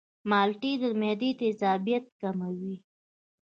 مالټې د معدې تیزابیت کموي.